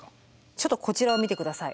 ちょっとこちらを見てください。